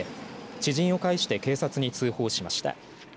知人を介して警察に通報しました。